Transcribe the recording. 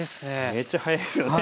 めっちゃ早いですよね。